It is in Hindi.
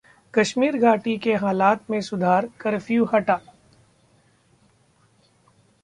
कश्मीर घाटी के हालात में सुधार, कर्फ्यू हटा